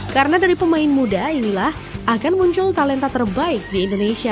karena dari pemain muda inilah akan muncul talenta terbaik di indonesia